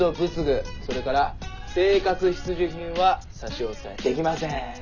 それから生活必需品は差し押さえできません。